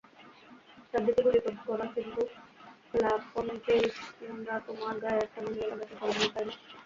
চারদিকে গুলি কিন্তু লা ফন্তেইন্সরা তোমার গায়ে একটা গুলিও লাগাতে পারলোনা, তাইনা?